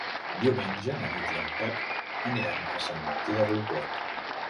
Diumenge na Nit i en Pep aniran a Sant Martí de Riucorb.